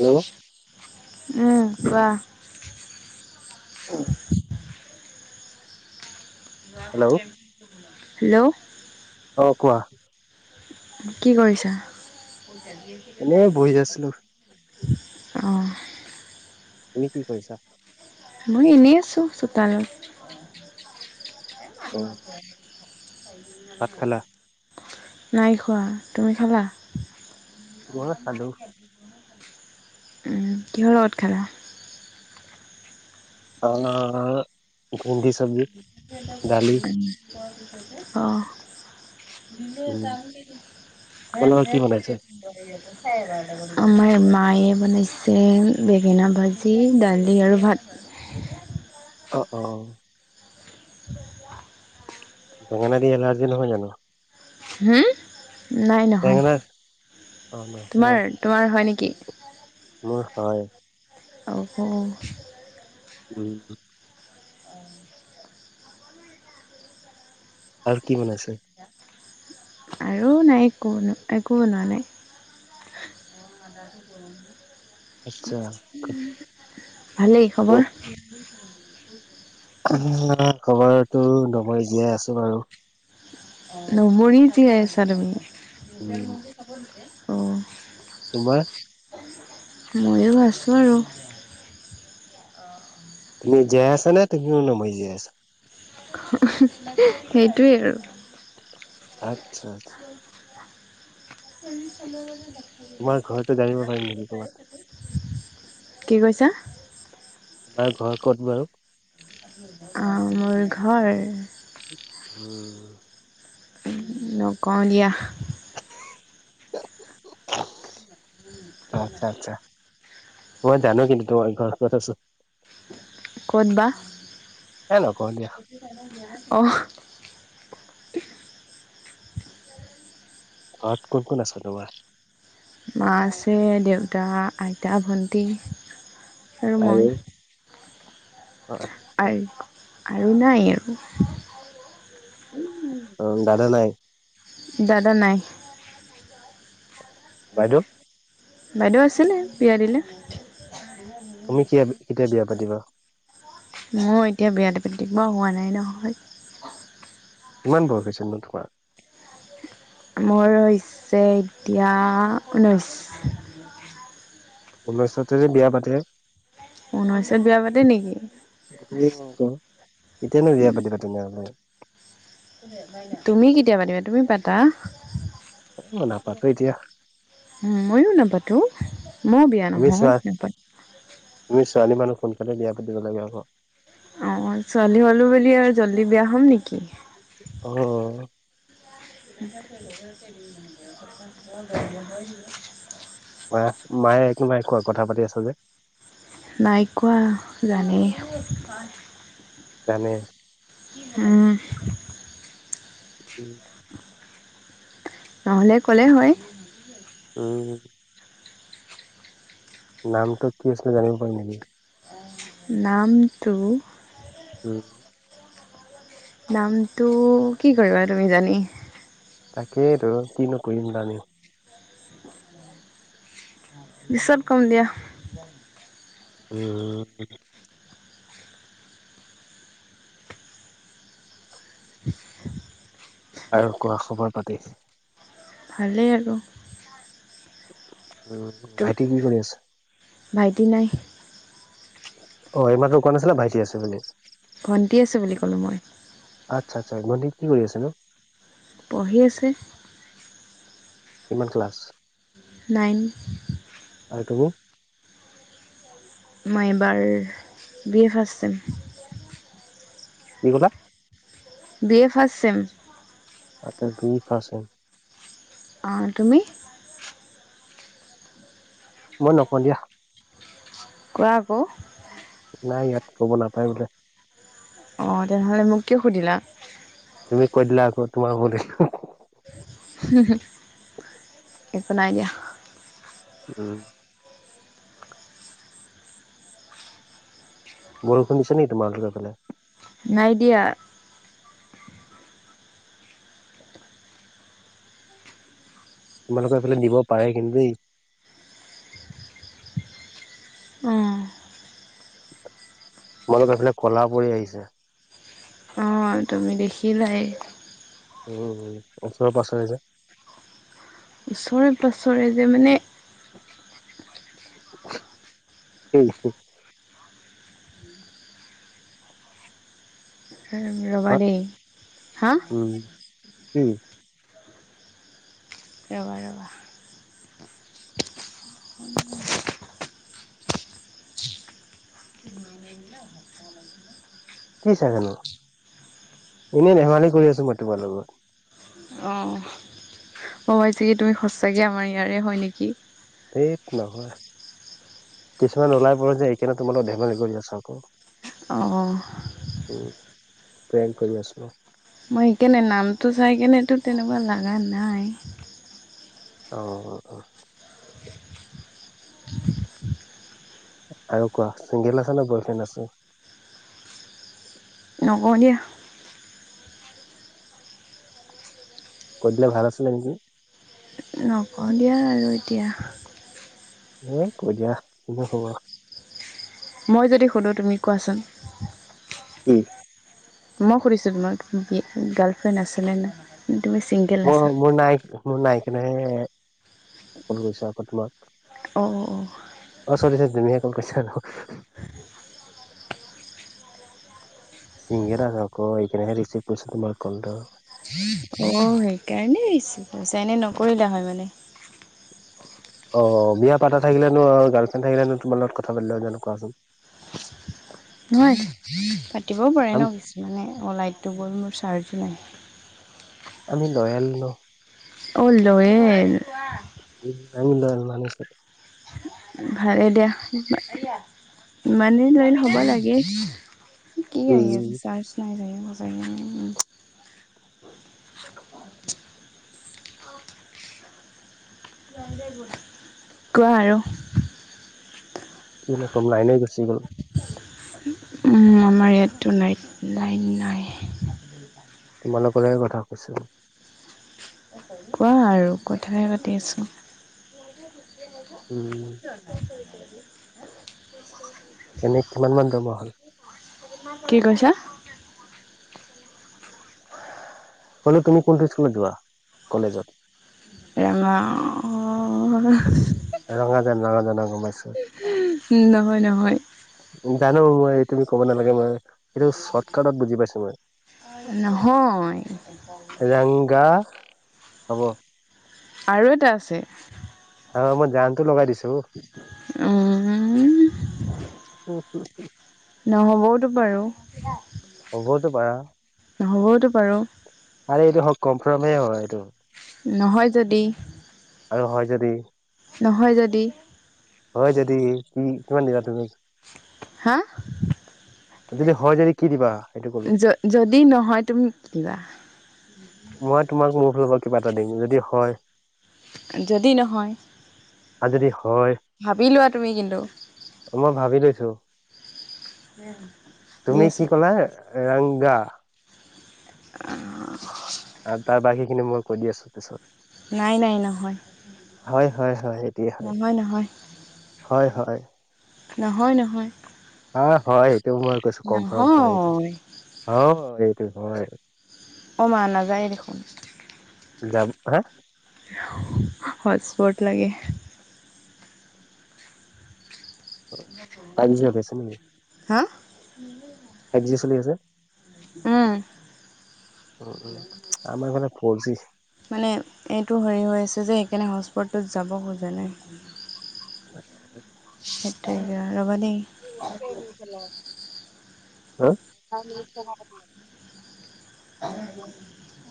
Hello উম। ৱাহ। অ' হেল্ল' হেল্ল' অ' কোৱা কি কৰিছা? এনে বহি আছিলো অ' তুমি কি কৈছা? মই এনেই আছো চোতালৰত। মান উম ভাত খালা নাই খোৱা তুমি খালা? মই খালো কিহ ৰত খা! আ ন অ' ত ম উম তোমালোকৰ কি বনাইছে আমাৰ মায়ে বনাইছে বেঙেনা ভাজি দালি আৰু ভাত অ অ' দ বেঙেনা দিয় এলাৰ্জিহ গান নাই নহয় অ তোমাৰ নহয় তোমাৰ হয় নেকি? অ' মোৰ হয়। আব উম। আৰু কি মানাই আছে। আৰু নাই একো একো নোৱা নাই। অ' আদটো গ আচ্ছা ভালেই খবৰ। খবৰো নমই জীয়াই আছো বাৰু নৰিতিাইছাৰি উম অ' তোমাৰ ময়ো ভছোঁ আৰু তুমি জীয়াই আছা নে তুমিও ন মই জীয়াই আছা সেইটোৱেই আৰু আচ্ছা আচছা তোমাৰ ঘৰতো জানিব পাৰিম নেকি ক'ৰবাত কি কৈছা? আমাৰ ঘৰ ক'ত বাৰু? অ' মোৰ ঘৰ। উ নকওঁ দিয়া। আচ্ছা আচ্ছা। মই জানো কিন্তু তোমাৰ ঘৰ কৰত আছোন ক'ত বা এ নকওঁ দিয়া অ' ত কোনক ন আচ নোৱা মা আছে দেউতা আইতা ভণ্টি ৰমাই আচছা আৰু নাই আৰু অ' দাদা নাই দাদ নাই বাইদেউ বাইদেউ আছিলে বিয়াৰিলে, তুমি ক কেতিয়া বিয়া পাতিবা? মোৰ এতিয়া বিয়াতি পিকনিক ম হোৱা নাই নহয় কিমান বয় হৈছে নো তোমাৰ মোৰ হৈছে এতিয়া ঊনৈছ ল্ছতে যে বিয়া পাতে, ঊনৈছত বিয়া পাতি নেকি? কেতিয়ানো বিয়া পাতিবা তেনেহলে? তুমি কেতিয়া পাতিবা তুমি পাতা মান পাত এতিয়া ময়ো নাপাতো মই বিয়া তুমি নহয় চোৱা নাপাতো। তুমি ছোৱালী মানুহ সোনকালে বিয়া পাতিব লাগে আক অ' ছোৱালী হ'লো বুলি আৰু জলদি বিয়া হ'ম নেকি উ, গ মা মায়ে একো নাই কোৱা, কথা পাতি আছা যে? নাইকোৱা, জানেই। জানে। উম। উম। নহ'লে ক'লে হয়। উম। নামটো কি আছিল, জানিব পাৰিম নেকি? নামটো উম, দামটো কি কৰিবা তুমি জানি তাকেই ধৰ কি নকুৰিম জানি। পিচত কম দিয়া। [inaudible] [inaudible] আৰু কোৱা খবৰ পাতি। ভালে আৰু উ তো ভাইটি কি কৰি আছে? ভাইটি নাই। অ' এইমাত্ৰ কোৱা নাছিলে ভাইটি আছে বুলি। ভণ্টি আছো বুলি ক'লো মই। আচ্ছা আচ্া ভন্টি কি কৰি আছে নো? পঢ়ি আছে। কিমান ক্লাছ? নাইন। [unintelligible] মই এবাৰ বি এ ফাৰ্ষ্টট চেইম। কি কলা? B A first same. আচছা বি এ ৰ্ফাচট চেম। অ' তুমি? মই নকওঁ দিয়া। কোৱা আকৌ। নাই ইয়াত ক'ব নাপায় বোলে। অ' তেনেহ'লে মোক কিয় সুধিলা? তুমি কৈ দিলা আকৌ তোমাৰ ভোল এটো। একো নাই দিয়া। উম। বৰষুণ দিছা নে তোমালটোফাললে? নাইডিয়া। তোমালোকে এইফালে দিব পাৰে কিন্তু দেই। অ'। তোমালোকৰ এইফালে কলা পৰি আহিছে। অ' তুমি দেখিলাই। উ অা পাছে যে। ওচৰে পাছৰে যে মানে [unintelligible] ৰবা হা দেই হা? উম, [unintelligible] ৰ'বা ৰ'বা কি চা আকৌ, এনেই ধেমালি কৰি আছো মই তোমাৰ লগত। অাইছে কি তুমি সঁচাকে আমাৰ ইয়াৰে হয় নেকি। সেই নহয়। কিছুমান ওলাই পৰে যে এইকাৰণে তোমালোক ধেমালি কৰি আছা আকৌ। অ', উ প্ৰেম কৰি আছো। মই সেইকাৰনে নামটো চাই কেনেতো তেনেকুৱা লাগা নাই। অ' অ'। আৰু কোৱা চিংগেল আছে নে বইফ্ৰেণ্ড আছে? নকও দিয়া। কৈ দিলে ভাল আছিলে নেকি। নকওঁ দিয়া আৰু এতিয়া। এ কৈ দিয়া কিনো হব। মই যদি সুধো তুমি কোৱাচোন। উম, মই সুধিছোঁ তোমাক। গাৰ্লফ্ৰেণ্ড আছে নে নাই? তুমি ছিংগেল আছা অ' মোৰ নাই, মোৰ নাই কাৰণে কল কৰিছোঁ আকৌ তোমাক। অ', অ'। [unintelligible] গম পাইছাই দেখোন। অ', [unintelligible] সেইকাৰণে ৰিচিভ কৰিছা, এনেই নকৰিলা হয় মানে? অ', বিয়া পাতা থাকিলেনো, গাৰ্লফ্ৰেণ্ড থাকিলেনো তোমাৰ লগত কথা পাতিলো হয়, কোৱাচোন? নহয় পাতিবও পাৰে আম ন কিছুমানে। লাইতটো গ'ল মোৰ চাৰ্জ [unintelligible] আমি লয়েল ন'। অ', লয়েল। [unintelligible] ভালেই দিয়া। মানু্হ লয়েল হ'ব লাগে। কি আহি উম আছে? চাৰ্ছ নাই চাগে। [unintelligible] কোৱা আৰু। কিনো কম, লাইনে গুছি গ'ল। উম, আমাৰ ইয়াতটো নাইট-লাইন নায়েই। তোমালোকৰে কথা কৈছো। কোৱা আৰু কথাই পাতি আছোঁ। উম [unintelligible] এনে কিমান-মান [unintelligible] হ'ল? কি কৈছা? বোলে তুমি কোনটো স্কুলত যোৱা? কলেজত? [unintelligible] ৰঙাজান, ৰঙাজান। অ', গম পাইছো। নহয়, নহয়। জানো মই তুমি ক'ব নালাগে নহয়, সেইটো চৰ্টকাটত বুজি পাইছো মই। নহয় ৰংগা, হ'ব আৰু এটা আছে। অ', মই জানটো লগাই দিছো। উম। নহ'বওতো পাৰো। হবওতো পাৰা। নহ'বওতো পাৰো। আৰে এইটো হ-কনফাৰ্মেই হয় এইটো। নহয় যদি? আৰু হয় যদি? নহয় যদি? হয় যদি, কি-কিমান দিবা তুমি? হা? আৰু যদি হয় যদি কি দিবা? সেইটো ক'লো য-যদি নহয় তুমি কি দিবা? মই তোমাক মোৰ ফালৰ পৰা কিবা এটা দিম, যদি হয়। যদি নহয়? আৰু যদি হয় ভাৱি লোৱা তুমি কিন্তু। মই ভাবি লৈছো দি তুমি কি আছো ক'লা, ৰাংগা? আৰু তাৰ বাকীখিনি মই কৈ দি আছোঁ পিছত। নাই নাই নহয় হয় হয় হয়, সেইটোৱেই হয়, নহয় নহয় হয় হ হয়। নহয় নহয়। অ হয় এইটো মই কৈছোঁ কনফাৰ্ম হয় এইটো নহয় অ এইটো হয়। অ মা নাযায় দেখোন। যাব হা। হটস্পট লাগে। [unintelligible] গৈছে নেকি। হা। ফাইভ জি চলি আছে। উম। উম উম আমাৰ ফালে ফৰ জি [inaudible] মানে এইটো হেৰি হৈ আছে যে। সেইকাৰণে হস্পটো যাব খোজা নাই। [unintelligible] ৰবা দেই। অহ। [inaudible] [unintelligible]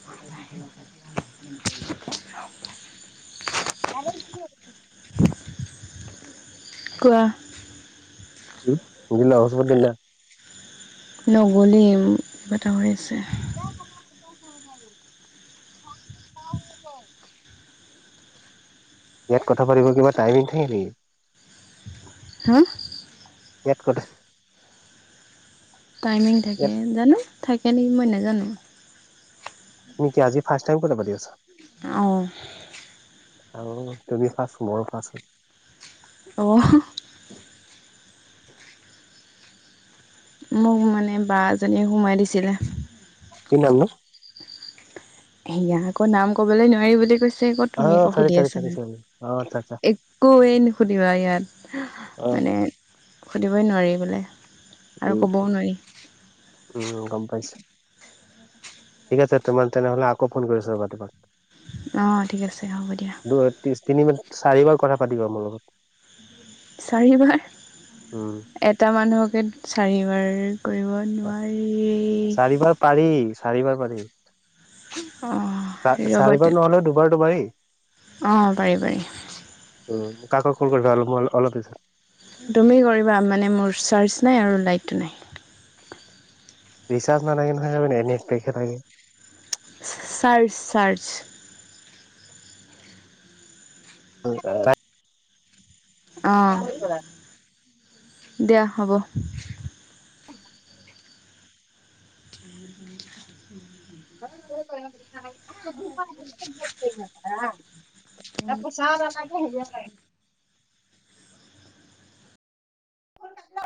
[unintelligible] [unintelligible] কোৱা। [unintelligible] নগলীম কিবা এটা হৈ আছে। [unintelligible] ইয়াত কথা পাতিব কিবা টাইমিং থাকে নেকি। হা। ইয়াত কথ। টাইমিং থাকে জানো থাকে নেকি মই নাজানো। তুমি কি আজি ফাৰ্ষ্ট টাইম কথা পাতি আছা। অ। আৰু তুমি ফাৰ্ষ্ট মোৰো ফাৰ্ষ্ট। অহ। মোক মানে বা এজনীয়ে সোমাই দিছিলে। [unintelligible] সেয়া আকৌ নাম কবলৈ নোৱাৰি বুলি কৈছে। আকৌ অ তুমি আকো চৰি সুধি চৰি চৰি আছানা চৰি অ আচ্ছা আচ্ছা একোৱেই নুসুধিবা ইয়াত। অ মানে সুধিবই নোৱাৰি বোলে। আৰু উম ক'বও উ নোৱাৰি উম গম পাইছোঁ। ঠিক আছে তোমাৰ তেনেহ'লে আকৌ ফোন কৰিছো ৰ'বা অঁ ঠিক আছে হ'ব দিয়া তোমাক। দু তিনি মিন। চাৰিবাৰ কথা পাতিবা মোৰ লগত। চাৰিবাৰ উম এটা মানুহকে চাৰিবাৰ। কৰিব নোৱাৰি। চাৰিবাৰ পাৰি চাৰিবাৰ পাৰি অঁ চাৰিবাৰ নহলেও দুবাৰ দুবাৰেই। অ পাৰি পাৰি। উ কাক ফোন কৰিবা অলপ পিছত। তুমি কৰিবা মানে মোৰ চাৰ্জ নাই আৰু লাইটো নাই। ৰিচাৰ্জ নালাগে নহয় অ নেট পেকে থাকে। Charge charge. [unintelligible] অ দিয়া হ'ব। [inaudible] [unintelligible] [unintelligible] [unintelligible]